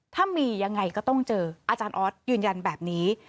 ถ้ามียังไงก็ต้องเจออาจารย์ออสยืนยันแบบนี้